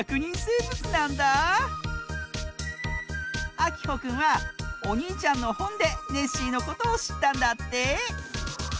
あきほくんはおにいちゃんのほんでネッシーのことをしったんだって。